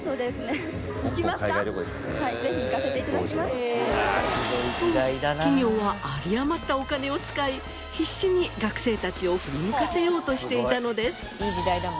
グアム？と企業は有り余ったお金を使い必死に学生たちを振り向かせようとしていたのです。